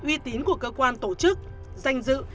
uy tín của cơ quan tổ chức danh dự